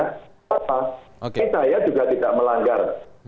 ini saya juga tidak melanggar